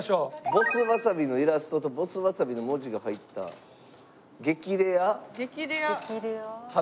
「ボスわさびのイラストと“ボスわさび”の文字が入った激レア鋼鮫が当たる」。